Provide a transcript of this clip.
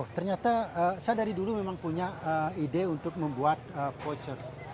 ternyata saya dari dulu memang punya ide untuk membuat voucher